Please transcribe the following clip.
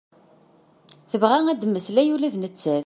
Tebɣa ad mmeslay ula d nettat.